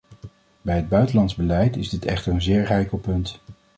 Bij het buitenlands beleid is dit echter een zeer heikel punt.